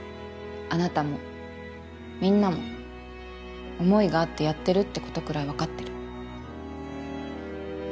あなたもみんなも思いがあってやってるってことくらいわかってる。